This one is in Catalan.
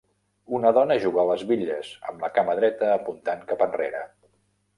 Una dona juga a les bitlles, amb la cama dreta apuntant cap enrere.